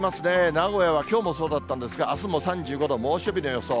名古屋はきょうもそうだったんですが、あすも３５度、猛暑日の予想。